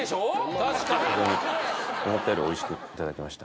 確かに本当に思ったよりおいしくいただきました